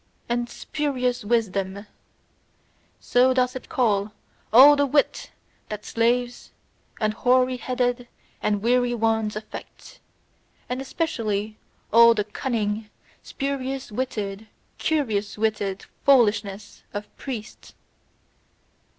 And spurious wisdom: so doth it call all the wit that slaves, and hoary headed and weary ones affect; and especially all the cunning, spurious witted, curious witted foolishness of priests!